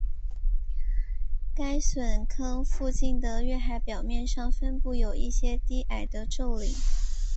该陨坑附近的月海表面上分布有一些低矮的皱岭。